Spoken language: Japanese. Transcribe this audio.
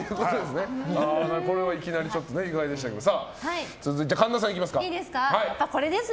これはいきなり意外でしたけど続いて神田さんいきますか。